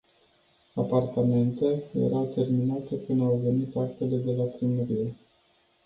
Apartamente, erau terminate când au venit actele de la primărie.